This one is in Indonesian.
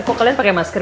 kok kalian pakai masker